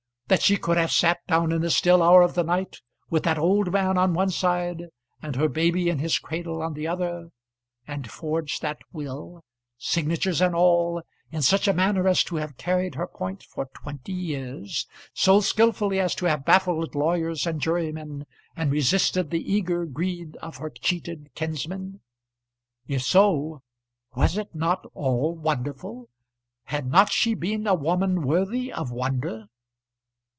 that she could have sat down in the still hour of the night, with that old man on one side and her baby in his cradle on the other, and forged that will, signatures and all, in such a manner as to have carried her point for twenty years, so skilfully as to have baffled lawyers and jurymen and resisted the eager greed of her cheated kinsman? If so, was it not all wonderful! Had not she been a woman worthy of wonder!